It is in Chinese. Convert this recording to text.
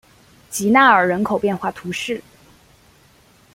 吉纳尔人口变化图示